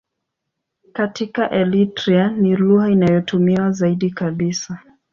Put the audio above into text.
Katika Eritrea ni lugha inayotumiwa zaidi kabisa.